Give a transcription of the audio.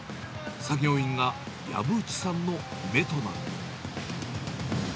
作業員が、薮内さんの目となる。